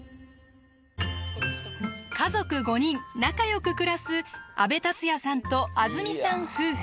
家族５人仲良く暮らす安部達也さんとあづみさん夫婦。